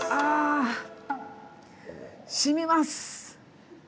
あしみます。